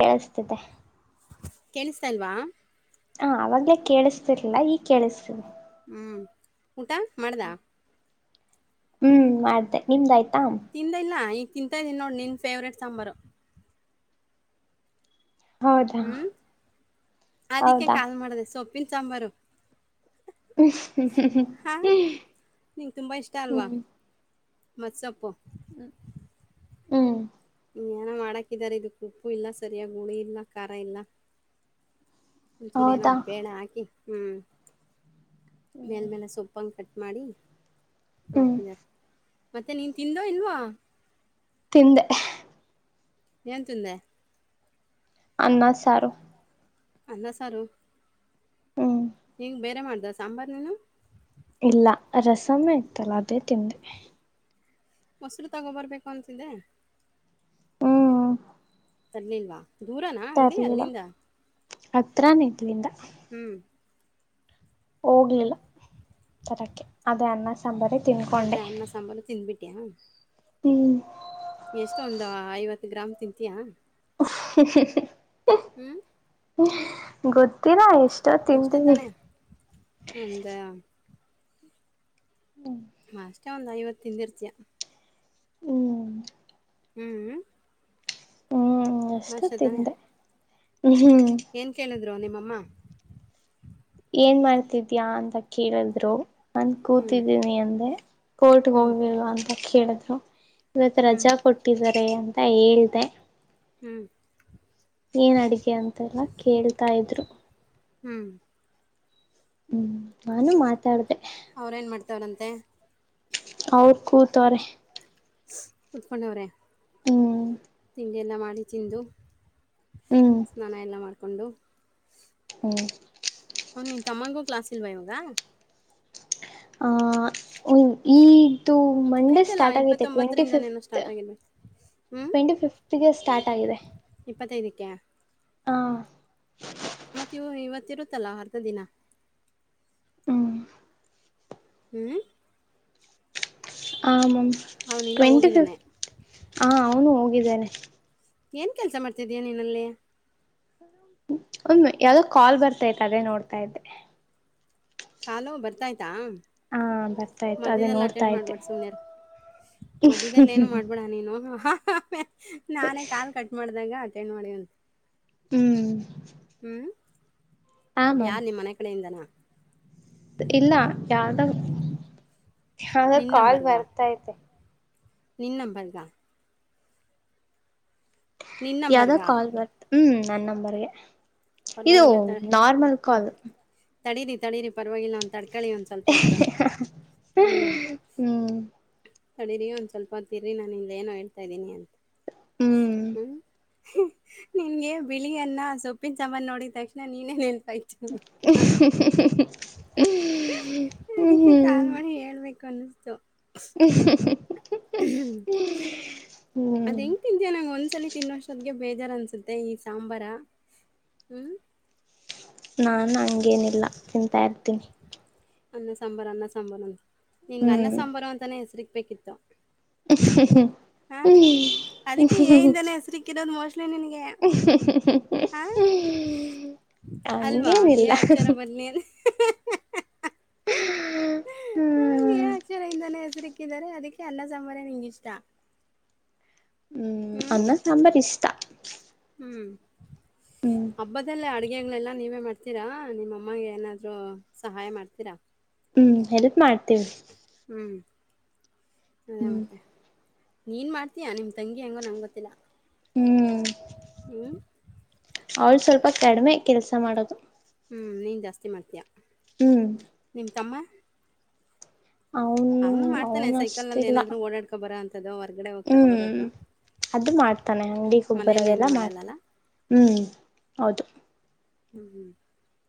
ಕೇಳಸ್ತಿದೆ ಕೇಳಸ್ತಿಲ್ವ ಹಾ ಅವಾಗ್ಲೇ ಕೇಳಿಸ್ತಿರ್ಲಾ ಈ ಕೇಳಿಸುತ್ತಿದೆ ಹ್ಮ್ ಊಟ ಮಾಡ್ದಾ ಹ್ಮ್ ಮಾಡ್್ದ ನಿಮ್ದಾಯ್ತು ತಿಂದ ಇಲ್ಲ ಈ ತಿಂತ್ದನು ನೋಡಿ ನಿನ್ನ ಫೇವ್ರೇಟ್ ಸಾಂಬಾರು ಹೌದಾ ಹ್ಮ್ ಅದಕ್ಕೆ ಹೌದಾ ಕಾಲ್ ಮಾಡಿದೆ ಸೊಪ್ಪು ಸಾಂಬಾರು ಹಾ ಹ್ಮ್ ಮಸಪ್ಪು ಹ್ಮ್ ಹ್ಮ್ ಏನ ಮಾಡಕಿದಿದ್ದಾರೆ ಇದ ಉಪ್ಪು ಇಲ್ಲ ಸರಿಯಾಗಿ ಗುಳಿ ಇಲ್ಲ ಖಾರ ಇಲ್ಲ ಒಂಚೂರಿ ಏನ ಹೌದಾ ಬೇಡ ಹಾಕಿ ಹ್ಮ್ ಮೇಲ್ ಮೇಲೆ ಸೊಪ್ಪಂಗ ಕಟ್ಟ ಮಾಡಿ ಹ್ಮ್ ಹಾಕಿದಿದ್ದಾರೆ ಮತ್ತೆ ನೀನ್ ತಿಂದೋ ಇಲ್ವಾ ತಿಂದೆ ಏನ್ಂತಿಂದೆ ಅನ್ನ ಸಾರು ಅನ್ನ ಸಾರು ಹ್ಮ್ ಹಂಗ ಬೇರೆ ಮಾಡ್ದ ಸಾಂಬಾರ್ ನೀನು ಇಲ್ಲ ರಸಮ್ಮ ಆಯತಲ್ಲ ಅದೇ ತಿಂದೆ ಮೊಸರು ತಗೋಬರ್ಬೇಕು ಅಂತಿದ್ದೆ ಹ್ಮ್ ತರ್ಲಿಲ್ಲವಾ ದೂರನಾ ಅಂಗಡಿ ಅಲ್ಲಿಂದ ಹತ್ರಾನ ಇಡ್ಲಿಂದ ಹ್ಮ್ ಹೋಗ್ಲಿಲ್ಲ ತರಕ್ಕೆ ಅದೇ ಅನ್ನ ಸಾಂಬಾರೆ ತಿನ್ಕೊಂಡೆ ಅದೇ ಅನ್ನ ಸಂಂಬಲು ತಿಿಂದಬಿಟಿ ಹ್ಮ್ ಎಷ್ಟ ಒಂದ್ ಐವತ್ತು ಗ್ರಾಮ್ ತಿಂತಯಾ ಹ [unintelligible] ಹ್ಮ್ ಗೊ ತ್ತೀರಾ ಎಷ್ಟ ಅಷ್ಟೇ ತಿಂತೀನಿ ತಾನೇ ಒಂದು ಅಷ್ಟೆ ಒಂದ್ ಐವತ್ತಿಂದಿರ್ತಿಯ ಹ್ಮ್ ಹ್ಮ್್ಮ ಹ್ಮ ಅಷ್ಟು ತಿಂದೆ ಹ್ಮ್ ಹ್ಮ್ ದ್ರು ನಿಮ್ಮಮ್ಮ ಏನ್ ಮಾಡ್ತಿದ್ಯಾ ಅಂತ ಕೇಳಿದ್ರು ನನ್ ಹ್ಮ್ ಕೂತಿದ್ದೀನಿ ಅಂದೆ ಕೋರ್ಟ್ಗೆ ಹ್ಮ್ ಹೋಗಿಲ್ವ ಅಂತ ಕೇಳಿದ್ರು ಇವತ್ತು ಹ್ಮ್ ರಜಾ ಕೊಟ್ಟಿದ್ದಾರೆ ಅನ್ ಅಂತ ಹೇಳ್ತೆ ಹ್ಮ್ ಏನ್ ಅಡಗೆ ಅಂತೆಲ್ಲ ಕೇಳ್ತಾ ಇದ್ರು ಹ್ಮ್ ಹ್ಮ್ ನಾನು ಮಾತಾಡ್ದ ಅವ್ರೇನ್ ಮಾಡ್ತವ್ರಂತೆ ಅವರು ಕೂತವ್ರೆ ಉತ್ಕೊಂಡ ಅವ್ರೇ ಹ್ಮ ತಿಂಡಿಯಲ್ಲ ಮಾಡಿ ತಿಂದು ಹ್ಮ್ ಸ್ನಾನ ಎಲ್ಲ ಮಾಡ್ ಕೊಂಡು ಹ್ಮ ನಿನ್ ತಮ್ಮಂಗು ಕ್ಲಾಸಿಲ್ವಾ ಇವಾಗ ಆ ಹೂ ಈ ಇದು ಮಂಡೇ ಆಯ್ತಲ್ಲ ಸ್ಟಾರ್ಟ್ ಆಗಿದೆ ಟ್ವೆಂಟಿ ಇಪ್ಪತ್ತೊಂಬತ್ತರಿಂದನೇನೋ ಫಿಫ್ತ್ ಸ್ಟಾರ್ಟ್ ಆಗಿರ್ಬೇಕು ಹ್ಞೂ ಟ್ವೆಂಟಿ ಫಿಫತ್ಗೆ ಸ್ಟಾರ್ಟ್ ಆಗಿದೆ ಇಪ್ಪತ್ತೈದಕ್ಕೆ ಹಾ ಮತ್ತೆ ಇ ಇವತ್ತ ಇರುತ್ತಲ್ಲ ಅರ್ಧ ದಿನ ಹ್ಮ್ ಹ್ಮ್ ಆ ಮಾಮ್ ಅವನಿಲ್ಲ ಟ್ವೆಂಟಿ ಹೋಗಿದ್ದಾನೆ ಫಿಫ್ತ್ ಹ ಅವ್ನು ಹೋಗಿದ್ದಾನೆ ಏನ್ ಕೆಲ್ಸ ಮಾಡ್ತಿದೀಯ ನೀನಲ್ಲಿ ಒ ಯಾವ್ದ ಕಾಲ್ ಬರ್ತೈತ್ ಅದೇ ನೋಡ್ತಾ ಇದ್ದೆ ಕಾಲು ಬರ್ತಾ ಇತ್ ಇತ್ತಾ ಹಾ ಬರ್ತಾ ಇತ್ತು ಅದೇ ಮಧ್ಯದಲ್ಲಿ ನೋಡ್ತಾ ಅಟೆಂಡ್ ಇದ್ದೆ ಮಾಡ್ಬೇಡ ಸುಮ್ನೆಾರ ಮದದಲ್ಲಿ ಏನು ಮಾಡ್ಬೇಡ ನೀನು ನಾನೇ ಕಾಲ್ ಕಟ್ ಮಾಡ್ದಾಗ ಅಟೆಂಡ್ ಮಾಡಿವಂತೆ ಹ್ಮ್ ಹಾ ಮ್ಯಾಮ್ ಯಾರ್ ನಿಮ್ ಮನೆ ಕಡೆಯಿಂದನ ಇಲ್ಲ ಯಾವ್ದ ಹಾಗ ಕಾಲ್ ಬರ್ತೈತೆ ನಿನ್ನಂಬರ್ದ ನಿನ್ ಯಾವ್ದೋ ನಂಬರ್ಗ ಕಾಲ್ ಬಂತ್ ಹ್ಮ್ ನನ್ನಂಬರ್ಗೆ ಇದು ಪರವಾಗಿಲ್ಲ ತ ಸಾಮಾನ್ಯ ಕರೆ ಹ್ಮ್ ಅದು ತಡೀರಿ ತಡೀರಿ ಪರವಾಗಿಲ್ಲ ಒಂದ ಕಳಿ ಒಂದ್ ಸ್ವಲ್ಪ ಆತ ಹ್ಮ್ ಹ್ಮ್ ತಡರಿ ಒಂದ್ ಸ್ವಲ್ಪ ತಿರಿ ನಾನು ಇಲ್ಲ ಏನೋ ಹೇಳ್ತಾ ಇದೀನಿ ಅಂತ ಹ್ಮ್ ಹ್ಮ [inaudible] [unintelligible] ನಿನ್ಗೆ ಬಿಳಿಯನ್ನ ಸೊಪ್ಪಿನ ನೋಡಿದ ತಕ್ಷಣ ನೀನೇನ್ ಆಯ್ತ ಹ್ಮ್ ಇದಕ್ಕೆ ಕಾಲ್ ಮಿ ಹೇಳ್ಬೇಕು [inaudible] [unintelligible] ಅನಿಸ್ತು ಹ [inaudible] ಹ್ಮ [unintelligible] [inaudible] ಅದ ಹೆಂಗ ತಿಂತಿಯಾ ನಂಗ್ ಒಂದ್ಸಲಿ ತಿನ್ನೋಷ್ಟದ್ಗೆ ಬೇರೆ ಬೇಜಾರು ಅನ್ಸುತ್ತೆ ಈ ಸಾಂಬಾರ ಹ್ಮ ನಾನ್ ಹಂಗೇನಿಲ್ಲ ಚಂತಾ ಇರ್ತೀನಿ ಅನ್ನ ಸಾಂಬಾರ ಅನ್ನ ಸಾಂಬಾರ ನಿಂಗ ಅನ್ನ ಸಾಂಬಾರ ಅಂತಾನೆ ಹೆಸರಿ ಪ್ಪೆ ಕತ್ತ [unintelligible] [inaudible] ಹ [inaudible] ಹಾ ಅದಕ್ಕೆ ಏ ಇಂದಾನೆ ಹೆಸರಿ ಕಿರೋದು ಮೋಸ್ಟ್ಲಿ ಗೆ ಅಲ್ವಾ ಹಂಗೇನಿಲ್ಲ ಅಕ್ಷರ ಬರ್ನ ಹ್ಮ್ ಅ ಅಕ್ಷರ ಇಿಂದಾನೇ [unintelligible] [inaudible] ಕ್ಕಿದಿದ್ದಾರೆ ಅದಕ್ಕೆ ಎಲ್ಲಾ ಸರ ನಿಂಗ ಇಷ್ಟ ಹ್ಮ್ ಅನ್ನ ಸಂಭರಿಷ್ಟ ಹ ಹ್ಮ್ ಹಬ್ಬದಲ್ಲಿ ಅಡಿಗೆ ಏನ್ ಎಲ್ಲಾ ನೀವೇ ಮಾಡ್ತೀರಾ ನಿಮ್ಮಮ್ಮಗೆ ಏನಾದ್ರು ಸಹಾಯ ಮಾಡ್ತೀರಾ ಹ್ಮ್ ಸಹಾಯ ಮಾಡ್ತೇವಿ ಹ್ಮ್ ಅದೇ ಹ್ಮ್ ಮತ್ತ [inaudible] ನೀನ್ ಮಾಡ್ತೀಯಾ ನಿಮ್ ತಂಗಿ ಹೆಂಗೋ ನಂಗ್ ಗೊತ್ತಿಲ್ಲಾ ಹ್ಮ ಅವಳ ಸ್ವಲ್ಪ ಕಡಿಮೆ ಕೆಲ್ಸ ಮಾಡೋದು. ಹ್ಮ ನೀನ್ ಜಾಸ್ತಿ ಮಾಡ್ತೀಯಾ. ಹ್ಮ್ ನಿಮ್ಮ ತಮ್ಮ ಅವನು ಮಾಡ್ತಾನೆ ಅವನು ಸೈಕಲ್ನಲ್ಲಿ ಅಷ್ಟಿಲ್ಲ ಏನಾದರೂ ಓಡಾಡ್ಕೊ ಬರೋ ಅಂಥದ್ದು ಹೊರ್ಗಡೆ ಹೋಗಿ ಹ್ಮ ತಗೊಬರೋದು. ಅದು ಮಾಡ್ತಾನೆ ಅಂಗಡಿ ಮನೇಲಿ ಏನು ಹೋಗ್ಬರೋದೆಲ್ಲಾ ಮಾಡಲ್ಲಲ್ಲ ಮಾಡ್ತಾನೆ ಹ್ಮ. ಹೌದು [inaudible]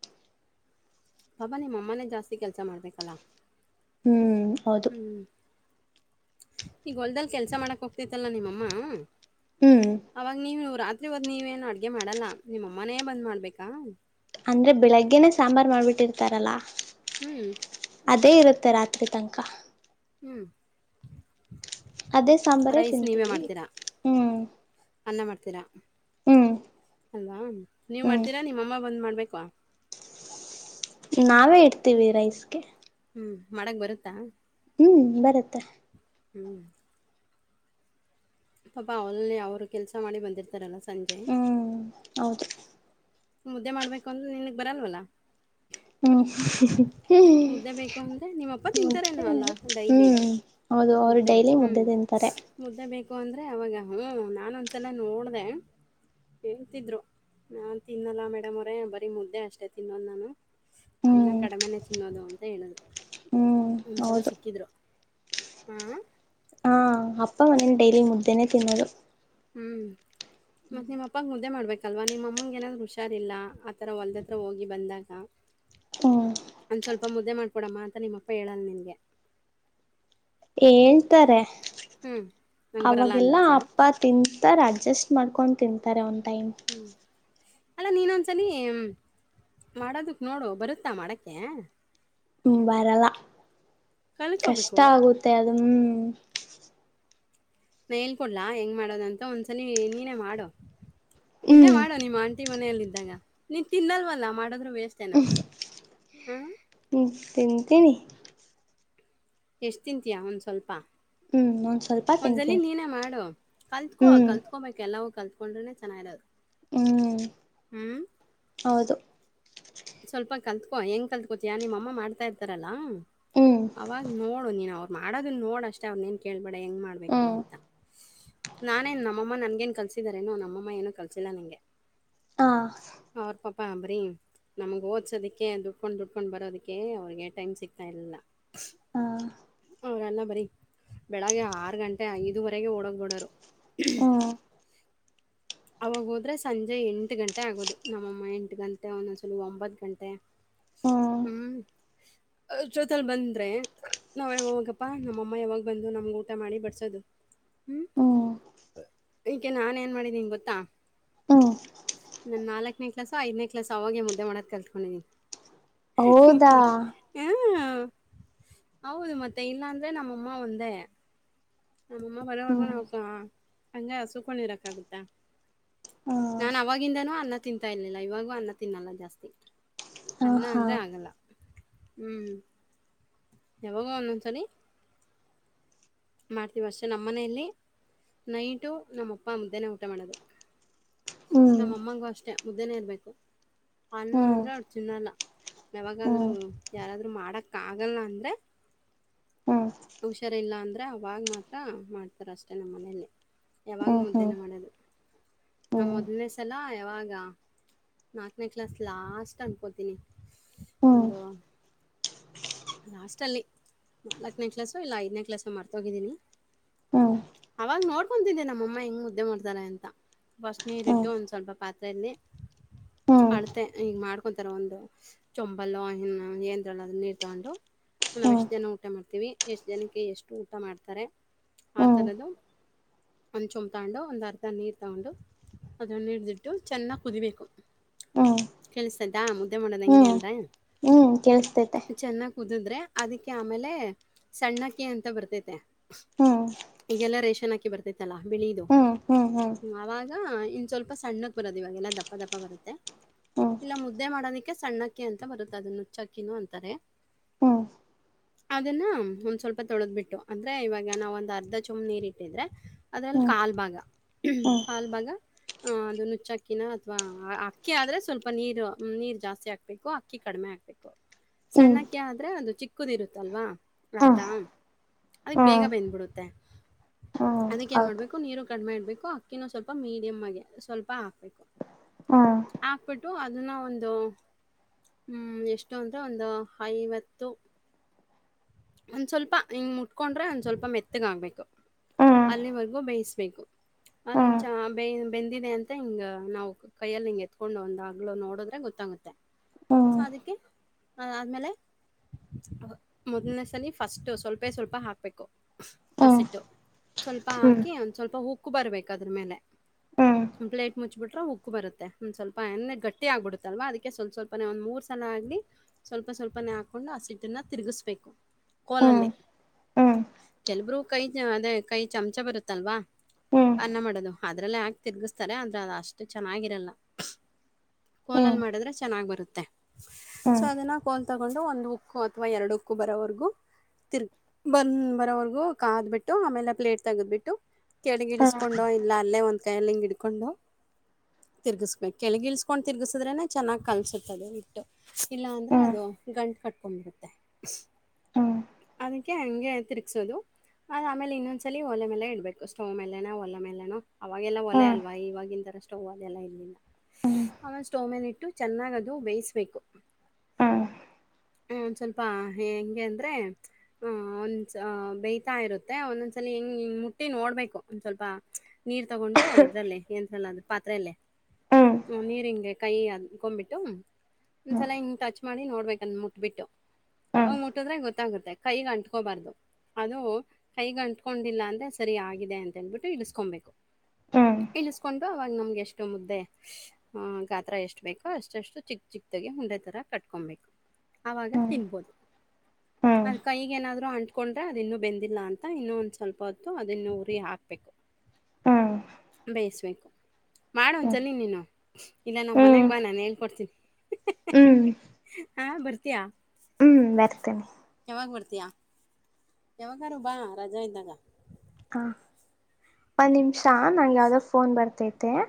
ಪಾಪ ನಿಮ್ಮ ಅಮ್ಮನೇ ಜಾಸ್ತಿ ಕೆಲ್ಸ ಮಾಡ್ಬೇಕಲ್ಲಾ. ಹ್ಮ ಹೌದು ಈಗ ಹೊಲ್ದಲ್ ಕೆಲ್ಸ ಮಾಡಕ್ ಹೋಗ್ತತ್ತಲ್ಲ ನಿಮ್ಮಮ್ಮ. ಹ್ಮ್ ಅವಾಗ ನೀನು ರಾತ್ ಇವಾಗ ನೀವೇನು ಅಡ್ಗೆ ಮಾಡಲ್ಲ ನಿಮ್ಮಮ್ಮನೇ ಬಂದ್ ಮಾಡ್ಬೇಕಾ. ಅಂದ್ರೆ ಬೆಳಗ್ಗೆನೆ ಸಾಂಬಾರ ಮಾಡ್ಬಿಟ್ಟಿರ್ತಾರಲ್ಲಾ. ಹ್ಮ ತ ರಾತ್ರಿ ತನಕಾ ಹ್ಮ ಅದೇ ಸಾಂಬಾರೇ ರೈಸ್ ನೀವೇ ತಿಂತೀವಿ ಮಾಡ್ತೀರಾ ಹ್ಮ್ ಅನ್ನ ಮಾಡ್ತೀರಾ ಹ್ಮ್ ಅಲ್ವಾ ನೀವು ಹ್ಮ್ ಮಾಡ್ತೀರಾ ನಿಮ್ಮಮ್ಮ ಬಂದು ಮಾಡಬೇಕೊ. ನಾವೇ ಇಡ್ತೀವಿ ರೈಸ್ಗೆ. ಹ್ಮ ಮಾಡಕ್ ಬರುತ್ತಾ. ಹ್ಮ್ ಬರುತ್ತೆ ಹ್ಮ ಪಾಪಾ ಅವಲ್ ಅವರು ಕೆಲ್ಸ ಮಾಡಿ ಬಂದಿರ್ತಾರಲ್ಲ. ಸಂಜೆ ಹ್ಮ್ ಹೌದು ಮುದ್ದೆ ಮಾಡ್ಬೇಕು ಅಂದ್ರೆ ನಿನ್ಗ್ ಬರಲ್ವಲ್ಲ. ಹ್ಮ್ ಮುದ್ದೆ ಬೇಕು ಅಂದ್ರೆ ನಿಮ್ಮಪ್ಪ ಮತ್ತೆ ತಿಂತಾರೇನೋ ಅಲ್ಲ ಡೈಲಿ ಹ್ಮ್ ಹೌದು ಅವರು ಮುದ್ದೆ ಡೈಲಿ ಮುದ್ದೆ ತಿಂತಾರೆ. ದ್ರೆ ಅವಾಗ ಹ್ಮ ನಾನ ಒಂದ್ಸಲ ನೋಡ್ದೆ ತಿಂತಿದ್ರು ನಾನ್ ತಿನ್ನಲ್ಲ ಮೇಡಮ್ ಅವರೇ ಬರೀ ಮುದ್ದೆ ಅಷ್ಟೇ ತಿನ್ನೋದ ನಾನು ಅನ್ನ ಹ್ಮ್ ಕಡಮೆನೇ ತಿನ್ನೋದು ಅಂತ ಹೇಳಿದರು. ಹ್ಮ್ ಒಂದ್ಸಲ ಹೌದು ಸಿಕ್ಕಿದ್ರು. ಹಾಹ ಹ ಅಪ್ಪ ಮನೆನ್ ಡೈಲಿ ಮುದ್ದೇನೆ ತಿನ್ನೋದು. ಹ್ ಮತ್ತು ನಿಮ್ಮಪ್ಪಗೆ ಮುದ್ದೆ ಮಾಡಬೇಕಲ್ವಾ ನಿಮ್ಮಮ್ಮನ ಏನಾದರೂ ಹುಷಾರಿಲ್ಲ ಆ ಥರ ಹೊಲ್ದತ್ರ ಹೋಗಿ ಬಂದಾಗ ಹ್ಮ್ ಒಂದು ಸ್ವಲ್ಪ ಮುದ್ದೆ ಮಾಡಿಕೊಡಮ್ಮ ಅಂತ ನಿಮ್ಮಪ್ಪ ಹೇಳಲ್ಲ ನಿನಗೆ ಹೇಳ್ತಾರೆ ನಂಗೆ ಬರಲ್ಲ ಅವಾಗೆಲ್ಲ ಅಂದ್ಬಿಡ್ತೀಯ ಅಪ್ಪ ತಿಂತಾರೆ ಅಡ್ಜಸ್ಟ್ ಮಾಡ್ಕೊಂಡು ತಿಂತ ತಾರೆ ಒಂದ್ ಟೈಮ ಅಲ್ಲ ನೀನೊಂದ್ಸಲಿ ಮಾಡೋದಕ ನೋಡು ಬರುತ್ತಾ ಮಾಡಕ್ಕೆ ಹ ಬರಲ್ಲ ಕಷ್ಟ ಕಲ್ಕೋಬೇಕು ಆಗುತ್ತೆ ಅದನ ಹ್ಮ ನಾನು ಹೇಳ್ಕೊಡ್ಲಾ ಹೆಂಗ್ ಮಾಡೋದಂತ ಒಂದ್ಸಲ ನೀನೇ ಮಾಡು ಇಲ್ಲೇ ಹ್ಮ್ ಮಾಡು ನಿಮ್ಮ ಆಂಟಿ ಮನೆಯಲ್ಲಿ ನೀನ್ ತಿನ್ನಲ್ವಲ್ಲ ಮಾಡೋ ವೇಸ್ಟೇನ ಹ ಹ್ಮ್ ತಿಂತೀನಿ ಎಷ್ಟ್ ತಿಂತೀಯಾ ಒಂದ್ ಸ್ವಲ್ಪ ಹ್ಮ ಒಂದ್ ಸ್ವಲ್ಪ ಒಂದ ಸಲಿ ತಿಂತೀನಿ ನೀನೇ ಮಾಡು ಕಲ್ತ್ಕೋ ಹ್ಮ್ ಕಲ್ತ್ಕೋಬೇಕು ಎಲ್ಲವೂ ಕಲತಕೋ ಕೊಂಡ್ರೆನೇ ಚೆನ್ನಾಗಿರೋದು ಹ್ಮ್ ಹ್ಮ್. ಹೌದು ಸ್ವಲ್ಪ ಕಲ್ತ್ಕೋ ಹೆಂಗ್ ಕಲ್ತ್ಕೋತಿಯಾ ನಿಮ್ಮ ಅಮ್ಮ ಮಾಡ್ತಾ ಇರ್ತಾರಲ್ಲಾ ಹ್ಮ್ ಅವಾಗ್ ನೋಡು ನೀನ್ ಅವರ ಮಾಡೋದನ್ನ ನೋಡ್ ಅಷ್ಟೇ ಅವರ್ನೆನ ಕೇಳಬೇಡ ಬೇಡ ಹೆಂಗೆ ಮಾಡಬೇಕು ಹ್ಮ್ ಅಂತ ನಾನೇನ್ ನಮ್ಮಮ್ಮ ನನ್ಗೇನ್ ಕಲ್ಸಿದಾರೇನು ನಮ್ಮಮ್ಮ ಏನು ಕಲ್ಸಿಲ್ಲ ನಂಗೆ ಹಾ ಬರಿ ನಮ್ಗ ಓದ್ಸೋದಕ್ಕೆ ದುಡ್ಕೊಂಡ ದುಡ್ಕೊಂಡ ಬರೋದಕ್ಕೆ ಅವ್ರಿಗೆ ಟೈಮ್ ಸಿಗ್ತಾ ಇರಲಿಲ್ಲ ಹಾ [inaudible] ಅವರೆಲ್ಲ ಬರೀ ಬೆಳಿಗ್ಗೆ ಆರುಗಂಟೆ ಐದುವರೆಗೆ ಓಡೋಗ್ಬಿಡೋರು [unintelligible] ಹ್ಮ್ ಅವಾಗ ಹೋದ್ರೆ ಸಂಜೆ ಎಂಟ ಗಂಟೆ ಆಗೋದು ನಮ್ಮಮ್ಮ ಎಂಟ ಗಂಟೆ ಒಂದೊಂದ್ಸಲಿ ಒಂಬತ್ತು ಗಂಟೆ ಹ್ಮ್ ಜೊತಲ್ಲಿ ಬಂದ್ರೆ ಹ್ಮ ಅದಕ್ಕೆ ನಾನ್ ಏನ್ ಮಾಡಿದ್ದಿನಿ ಗೊತ್ತಾ? ಹ ನಾಲ್ಕನೇ ಕ್ಲಾಸೊ ಐದನೇ ಕ್ಲಾಸೊ ಆವಾಗ್ಲೇ ಅಡ್ಗೆ ಮಾಡೋದು ಕಲ್ತ್ಕೊಂಡಿದ್ದನಿ ಹಃ ಹೌದಾ ಹಃ ಹ ಯಾ ಹೌದು ಮತ್ತೆ ಇಲ್ಲಾಂದ್ರೆ ನಮ್ಮಮ್ಮ ಒಂದೇ ನಮ್ಮಮ್ಮ ಬರೋವರ್ಗೂ ಹ್ಮ್ ನಾವುಕ ಹಂಗೆ ಹಸೂಕೊಂಡಿರಕ್ಕಾಗುತ್ತಾ ಹ ನಾ ಅವಾಗಿಂದಾನೂ ಅನ್ನ ತಿಂತಾ ಇರರ್ಲಿಲ್ಲ ಇವಾಗೂ ಅನ್ನ ತಿನ್ನಲ್ಲ ಜಾಸ್ತಿ ಹ ಅನ್ನ ಹಾ ಅಂದೆ ಆಗಲ್ಲ ಹ್ಮ್ ಯಾವಾಗೋ ಒಂದೊಂದು ಸರಿ ಮಾಡ್ತೀವಿ ಅಷ್ಟೇ ನಮ್ಮನೆಯಲ್ಲಿ ನೈಟು ನಮ್ಮಪ್ಪ ಮುದ್ದೆನೇ ಊಟ ಮಾಡೋದು ಹ್ಮ್ ನಮ್ಮಮ್ಮಂಗೂ ಅಷ್ಟೆ ಮುದ್ದೆನೇ ಇರಬೇಕು ಅನ್ನ ಹ್ಮ್ ಅಂದ್ರೆ ಅವಳ್ ತ್ತಿನ್ನಲ್ಲ ಯಾವಾಗಾದ್ರೂ ಹ್ಮ್ ಯಾರಾದ್ರರು ಮಾಡಕ್ಕ ಆಗಲ್ಲ ಅಂದ್ರೆ ಹ್ಮ್ ಹುಷಾರ ಇಲ್ಲ ಅಂದ್ರ ಅವಾಗ ಮಾತ್ರ ಮಾಡ್ತಾರೆ ಅಷ್ಟೇ ನಮ್ಮನೆಯಲ್ಲಿ ಯಾವಾಗು ಹ್ಮ್ ಹ್ಮ್ ಹ್ಮ್ ಮುದ್ದೇನೆ ಮಾಡೋದು ಮೊದ್ನೇ ಸಲ ಯಾವಾಗ ನಾಕನೇ ಕ್ಲಾಸ್ ಲಾಸ್ಟ್ ಅನ್ಕೋತೀನಿ ಹ್ಮ್ ಒಂದು ಲಾಸ್ಟ ಅಲ್ಲಿ ನಾಲ್ಕನೇ ಕ್ಲಾಸು ಇಲ್ಲ ಐದನೇ ಕ್ಲಸ್ು ಮರ್ತೋಗಿದ್ದೀನಿ ಹ್ಮ್ ಹ್ಮ್ ಅವಾಗ ನೋಡ್ಕೊತಿದ್ದೆ ನಮ್ಮಮ್ಮ ಹೆಂಗ್ ಮುದ್ದೆ ಮಾಡ್ತಾರೆ ಅಂತ ಫಸ್ಟ್ ಹ್ಮ್ ಹ್ಮ್ ನೀರಿಟ್ಟು ಒಂದ ಸ್ವಲ್ಪ ಪಾತ್ರೆಯಲ್ಲಿ ಅಡ್ತೆ ಹಿಗ ಮಾಡ್ಕ ಒಂಂತರ ಒಂದು ಚೊಂಬಲ್ಲ ಎಂದ್ರಲೋ ಆಗ್ಲೀ ತಾಂಡು ನಾವ ಎಷ್ಟು ಜನ ಊಟ ಮಾಡ್ತವಿ ಎಷ್ಟು ಜನಕ್ಕೆ ಎಷ್ಟು ಊಟ ಮಾಡ್ತಾರೆ ಆ ಹ್ಮ್ ಥರದ್ದು ಒಂದು ಚುಮ ತಗೊಂಡು ಒಂದು ಅರ್ಧ ನೀರು ತಗೊಂಡು ಅದನ್ನು ಹಿಡಿದಿಟ್ಟು ಚೆನ್ನಾಗಿ ಕುದಿಬೇಕು ಹ್ಮ್ ಕ್ಕೆಳ್ಸತ ಇದ್ದಾ ಮುದ್ದೆ ಮಾಡೋದ ಹೆಂಗಗೆ ಹ್ಮ್ ಅಂದ್ರ ಹ್ಮ್ ಕೇಳಿಸತೈತೆ ಕುದಿದ್ರೆ ಅದಕ್ಕೆ ಆಮೇಲೆ ಸಣ್ಣಕಿ ಅಂತ ಬರ್ತೇತೆ ಹ್ಮ್ ಹಿಗೆಲ್ಲ ರೇಶ್ಮ ಚೆನ್ನಕ್ಕಿ ಬರ್ತೈತ್ತಲ್ಲ ಬೆಳಿಯದು ಹ್ಮ್ ಹ್ಮ್ ಆವಾಗ ಇನ್ನು ಸ್ವಲ್ಪ ಸಣ್ಣಕ್ಕೆ ಬರೋದು ಇವಾಗೆಲ್ಲ ದಪ್ಪ ದಪ್ಪ ಬರುತ್ತೆ ಹ್ಮ್ ಇಲ್ಲ ಮುದ್ದೆ ಮಾಡೋದಕ್ಕೆ ಸಣ್ಣ ಅಕ್ಕಿ ಅಂತ ಬರುತ್ತೆ ಅದು ನುಚ್ಚಕ್ಕಿನೂ ಅಂತಾರೆ ಹ್ಮ್ ಹ್ಮ್ ಅದನ್ನ ಒಂದ್ ಸ್ವಲ್ಪ ತೊಳೆದ್ಬಿಟ್ಟು ಅಂದ್ರೆ ಇವಾಗ ನಾವ ಒಂದ್ ಅರ್ಧ ಚಮ ನೀರ್ ಇಟ್ಟಿದ್ರೆ ಅದ್ರಲ್ಲಿ ಹ್ಮ್ ಹ್ಮ್ ಕಾಲ್ ಭಾಗ ಕಾಲ್ ಭಾಗ ಅಹ ಅದು ನುಚ್ಚ ಅಕ್ಕಿನ ಅಥವಾ ಅಕ್ಕಿ ಆದ್ರೆ ಸ್ವಲ್ಪ ನೀರು ನೀರ್ ಜಾಸ್ತಿ ಹಾಕ್ಬೇಕು ಅಕ್ಕಿ ಕಡಿಮೆ ಆಾಕ್ಬೇಕು ಹ್ಮ್ ಸಣ್ಣಕ್ಕೆ ಆದ್ರೆ ಅದು ಚಿಕ್ಕದಿ ಇರುತ್ತಲ್ವಾ ಅರ್ಧ ಹ್ಮ್ ಅದಕ್ ಬೇಗ ಹ್ಮ್ ಹ್ಮ್ ಬೆಂದ್ಬಿಡುತ್ತೆ ಅದಕ್ ಏನ್ ಹೌದು ಮಾಡ್ಬೇಕು ನೀರು ಕಡಿಮೆ ಇಡ್ಬೇಕು ಇನೊಂದು ಸ್ವಲ್ಪ ಮೀಡಿಯಮ್ಿ ಸ್ವಲ್ಪ ಹಾಕ್ಬೇಕು ಹ್ಮ್ ಹಾಕ್ಬಿಟ್ಟು ಅದನ್ನ ಒಂದು ಎಷ್ಟು ಅಂದ್ರೆ ಒಂದು ಐವತ್ತು ಒಂದು ಸ್ವಲ್ಪ ಹಿಂಗೆ ಮುಟ್ಕೊಂಡ್ರೆ ಒಂದು ಸ್ವಲ್ಪ ಮೆತ್ತಗಾಗಬೇಕು ಹ್ಮ್ ಅಲ್ಲಿವರೆಗೂ ಬೇಯಿಸ್ಬೇಕು ಅಲ್ಲಿ ಹ್ಮ್ ಚೇಯ ಬೆಂದಿದೆ ಅಂತ ಹಿಗೆ ನಾವು ಕೈಯ್ಯಲ್ಲಿ ಹಿಂಗೆ ಎತ್ಕೊಂಡು ಒಂದು ಹಗ್ಗಳು ನೋಡಿದ್ರೆ ಗೊತ್ತಾಗುತ್ತೆ ಸೊ ಹ್ಮ್ ಅದಕ್ಕೆ ಹ್ಮ ಆಮೇಲೆ ಮೊದ್ಲನೇ ಸಲ ಫಸ್ಟ್ ಸ್ವಲ್ಪೇ ಸ್ವಲ್ಪ ಹಾಕ್ಬೇಕು ಹ್ಮ್ ಹ್ಮ್ ಹ್ಮ್ ಹ್ಮ್ ಹಸಿಟ್ಟು ಸ್ವಲ್ಪ ಹಾಕಿ ಒಂದ ಸ್ವಲ್ಪ ಉಪ್ಪ ಕ್ಕು ಬರ್ಬೇಕು ಅದ್ರ ಮೇಲೆ ಪ್ಲೇಟ್ ಮುಚ್ಚ ಬ ಬಿಟ್ರೆ ಉಕ್ಕು ಬರುತ್ತೆ ಒಂದ್ ಸ್ವಲ್ಪ ಎಣೆ ಗಟ್ಟಿ ಆಗ್ಬಿಡುತ್ತಲ್ವಾ ಅದಕ್ಕೆ ಸ್ವಲ್ಪ ಸ್ವಲ್ಪ ಒಂದ್ ಮೂರ್ ಸಲ ಆಗ್ಲಿ ಸ್ವಲ್ಪ ಸ್ವಲ್ಪನೇ ಹಾಕ್ಕೊಂಡು ಆಸಿಡನ್ನು ತಿರುಗಿಸ್ಬೇಕು ಕೋಲಲ್ಲೇ ಹ್ಮ್ ಹ್ಮ್ ಹ್ಮ್ ಹ್ಮ್ ಕೆಲಬರು ಕೈ ಅದೇ ಕೈ ಚಮಚ ಬರುತ್ತಲ್ವಾ ಅನ್ನ ಮಾಡೋದು ಅದರಲ್ಲೇ ಹಾಕಿ ತಿರುಗಿಸ್ತಾರೆ ಆದರೆ ಅದು ಅಷ್ಟು ಚೆನ್ನಾಗಿರಲ್ಲ ಕೋಲಲ್ ಹ್ಮ್ ಮಾಡಿದ್ರೆ ಚೆನ್ನಾಗ್ ಬರುತ್ತೆ ಹ್ಮ್ ಸಾಧನ ತಗೊಂಡು ಒಂದು ಉಕ್ಕು ಅಥವಾ ಎರಡು ಉಕ್ಕು ಬರೋವರೆಗೂ ತಿರ್ ಬ ಬರೋವರೆಗೂ ಕಾದ್ಬಿಟ್ಟು ಆಮೇಲೆ ಪ್ಲೇಟ್ ತಗದ್ಬಿಟ್ಟು ಕೆಡಗಿಡಿಸಕೊಂಡೋ ಇಲ್ಲ ಅಲ್ಲೇ ಒ ಕೈಯಲ್ಲಿಂಗ ಇಡ್ಕೊಂಡು ತಿರ್ಗಿಸಬೇಕು ಕೆಳಗಿಳಸ್ಕೊಂಡು ತಿರ್ಗಸಿದ್ರೆನೆ ಚೆನ್ನಾಗ್ ಕಲಸುತ್ತದೆ ಇಟ್ಟು ಇಲ್ಲ ಅಂದ್ರ ಅ ಹ್ಮ್ ಅದು ಗಂಟು ಕಟ್ಕೊಂಡಂಬಿರುತ್ತೆ ಹ್ಮ್ ಅದಕ್ಕೆ ಹಂಗೆ ತಿರುಗ್ಸೋದು ಅದು ಆಮೇಲೆ ಇನ್ನೊಂದ್ಸಲ ಒಲೆ ಮೇಲೆ ಇಡ್ಬೇಕು ಸ್ಟವ್ ಮೇಲೆೇನೋ ಒಲೆ ಮೇಲೆನೋ ಅವಾಗೆಲ್ಲ ಒಲೆ ಅಲ್ವಾ ಇವಾಗಿನಥರ ಸ್ಟವ್ ಒಲೆಲ್ಲ ಇರಲಿಲ್ಲ ಆಲೆ ಸ್ಟವ್ ಮೇಲೆ ಇಟ್ಟು ಚೆನ್ನಾಗ್ ಅದು ಬೇಯಿಸ್ಬೇಕು ಒಂದ್ ಸ್ವಲ್ಪ ಹೆಂಗೆ ಅಂದ್ರೆ ಆಹ ಒಂದ್ಸ ಬೇಯ್ತಾ ಇರುತ್ತೆ ಒಂದೊಂದ್ಸಲ ಹೆಂಗ್ಂಗ್ ಮುಟ್ಟಿ ನೋಡ್ಬೇಕು ಒಂದ್ ಸ್ವಲ್ಪ ನೀರ್ ತಗೊಂಡು ಇದ್ದಲ್ಲೇ ಏನ್ ಸಲ ಅದು ಪಾತ್ರೆಯಲ್ಲೇ ಹ ನೀರಿಂಗೆ ಕೈ ಅದಕೊಬಿಟ್ಟು ಸಲ [inaudible] ಮಾಡಿ ನೋಡ್ಬೇಕಂದ ಮುಟ್ಬಿಟ್ಟು ಅವಗ್ ಮುಟ್ಟಿದ್ರೆ ಗೊತ್ತಾಗುತ್ತೆ ಕೈಗೆ ಅಂಟ್ಕೋಬಾರ್ದು ಅದು ಕೈಗೆ ಅಂಟ್ಕೊಂಡಿಲ್ಲ ಅಂದ್ರೆ ಸರಿ ಆಗಿದೆ ಅಂತೇಳ್ಬಿಟ್ಟು ಇಳಿಸಕೊಬೇಕು ಇಲಿಸಕೊಂಡು ಅವಾಗ ನಮ್ ಎಷ್ಟು ಮುದ್ದೆ ಆ ಗಾತ್ರ ಎಷ್ಟು ಬೇಕೋ ಅಷ್ಟೆಷ್ಟು ಚಿಕ್ ಚಿಕ್ ದಗಿ ಉಂಡೆತರ ಕಟ್ಕೊಬೇಕು ಅವಾಗ ತಿನ್ಬೋದು ಅದ್ ಕೈಗ ಏನಾದ್ರೂ ಅಂಟ [unintelligible] ಕೊಂಡ್ರೆ ಅದ ಇನ್ನು ಬೆಂದಿಲ್ಲ ಅಂತ ಇನ್ನು ಒಂದ್ ಸ್ವಲ್ಪ ಹೊತ್ತು ಅದನ್ನು ಉರಿ ಹಾಕ್ಬೇಕು ಬೇಯಸ್ಬೇಕು ಮಾಡೋ ಒಂದಸಲ ನೀನು ಇಲ್ಲ ನಮ್ಮ್ ಮನೆ ಬಾ ನಾನು ಏನ್ ಕೊಡ್ತೀನಿ ಹಾ ಬರ್ತ ತ್ಯ [unintelligible] ಹ್ಮ್ ಬರ್ತೇನೆ ಯಾವಾಗ ಬರ್ತೀಯಾ ಯವಾಗಾರು ಬಾ ರಜ ಇದಂದಾಗ ಹಾ ಮ ನಿಮ ಶಾ [unintelligible] ನಂಗೆ ಯಾವ್ದ್ ಫೋನ್ ಬರ್ತೈತಿ ಹೈ